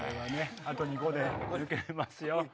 あと２個で抜けれますよ。